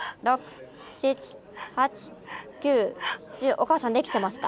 おかあさんできてますか？